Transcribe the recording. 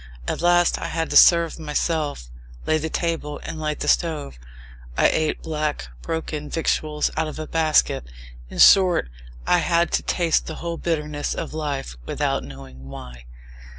At last I had to serve myself, lay the table, and light the stove. I ate black broken victuals out of a basket. In short, I had to taste the whole bitterness of life without knowing why.